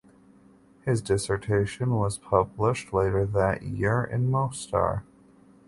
His dissertation was published later that year in Mostar.